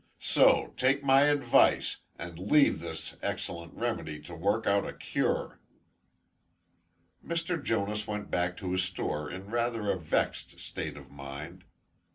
So, take my advice, and leave this excellent remedy to work out a cure." Mr. Jonas went back to his store in rather a vexed state of mind.